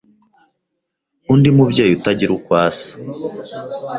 undi mubyeyi utagira uko asa